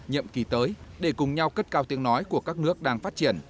nhiệm kỳ tới để cùng nhau cất cao tiếng nói của các nước đang phát triển